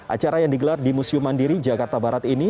acara yang digelar di museum mandiri jakarta barat ini